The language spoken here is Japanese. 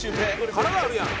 体あるやん。